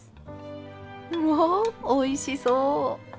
わあおいしそう！